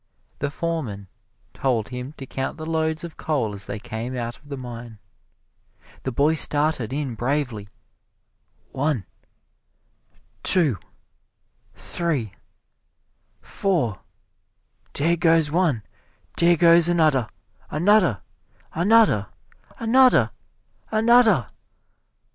The foreman told him to count the loads of coal as they came out of the mine. The boy started in bravely, "One two three four dere goes one, dere goes anoder, anoder, anoder, anoder, anoder!"